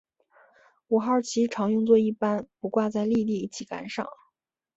五号旗常用作一般不挂在立地旗杆上。